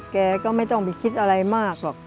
แกก็ไม่ต้องไปคิดอะไรมากหรอก